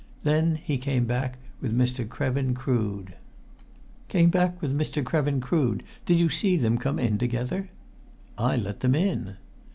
Then he came back with Mr. Krevin Crood." "Came back with Mr. Krevin Crood. Did you see them come in together?" "I let them in."